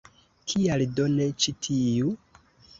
Kial do ne ĉi tiu?